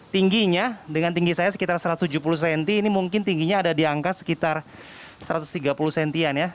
tingginya dengan tinggi saya sekitar satu ratus tujuh puluh cm ini mungkin tingginya ada di angka sekitar satu ratus tiga puluh cm ya